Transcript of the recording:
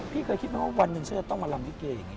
เคยคิดไหมว่าวันหนึ่งฉันจะต้องมาลำลิเกอย่างนี้